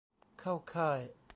เข้าค่าย ?